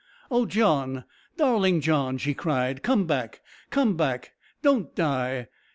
"O John! darling John!" she cried, "come back come back don't die.